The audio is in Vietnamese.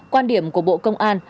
quan điểm của bộ công an